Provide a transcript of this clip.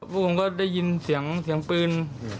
ผมก็ได้ยินเสียงปืน